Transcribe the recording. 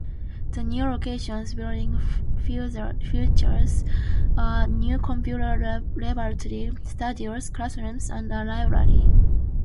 The new location's building features a new computer laboratory, studios, classrooms, and a library.